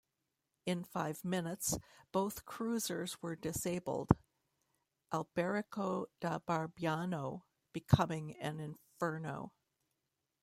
In five minutes both cruisers were disabled, "Alberico da Barbiano" becoming an inferno.